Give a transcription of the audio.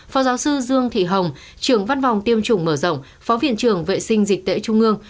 phó giáo sư dương thị hồng trưởng văn phòng tiêm chủng mở rộng phó viện trưởng vệ sinh dịch tễ trung ương